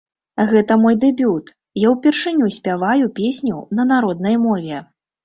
Гэта мой дэбют, я ўпершыню спяваю песню на няроднай мове.